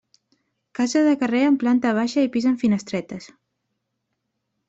Casa de carrer amb planta baixa i pis amb finestretes.